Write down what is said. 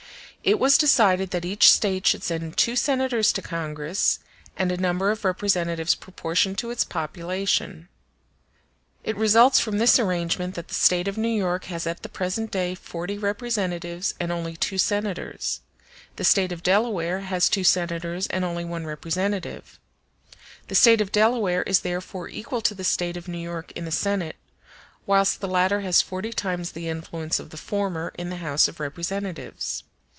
It was decided that each State should send two senators to Congress, and a number of representatives proportioned to its population. *n It results from this arrangement that the State of New York has at the present day forty representatives and only two senators; the State of Delaware has two senators and only one representative; the State of Delaware is therefore equal to the State of New York in the Senate, whilst the latter has forty times the influence of the former in the House of Representatives.